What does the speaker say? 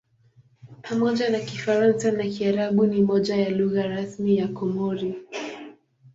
Pamoja na Kifaransa na Kiarabu ni moja ya lugha rasmi ya Komori.